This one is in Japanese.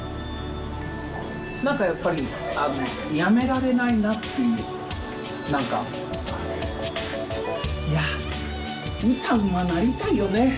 何かやっぱりやめられないなっていう何かいや歌うまなりたいよね